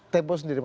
tempo sendiri mana